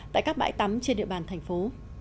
tại các bãi tắm trên địa bàn thành phố